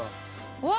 うわ！